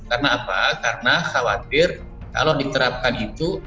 karena apa karena khawatir kalau diterapkan itu